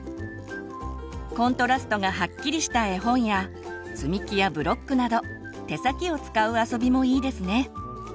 コントラストがはっきりした絵本や積み木やブロックなど手先を使う遊びもいいですね。